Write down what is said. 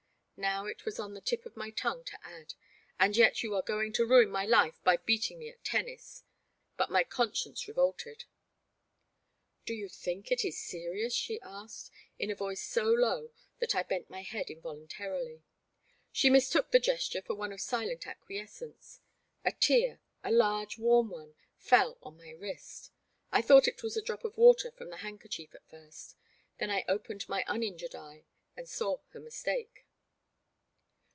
Now it was on the tip of my tongue to add —and yet you are going to ruin my life by beat ing me at tennis," but my conscience revolted. 136 The Black Water. Do you think it is serious ?'* she asked, in a voice so low that I bent my head invohmtarily. She mistook the gesture for one of silent acquies cence. A tear — a large warm one — fell on my wrist ; I thought it was a drop of water from the handkerchief at first. Then I opened my unin jured eye and saw her mistake.